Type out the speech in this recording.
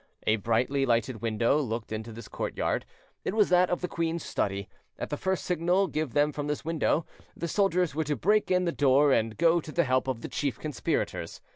A brightly lighted window looked into this courtyard; it was that of the queen's study: at the first signal give them from this window, the soldiers were to break in the door and go to the help of the chief conspirators.